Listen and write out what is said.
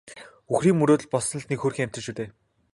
Үрийн мөрөөдөл болсон л нэг хөөрхий амьтан шүү дээ.